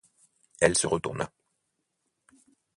Elle se retourna.